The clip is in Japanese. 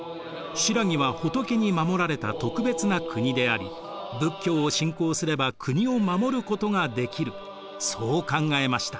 新羅は仏に守られた特別な国であり仏教を信仰すれば国を護ることができるそう考えました。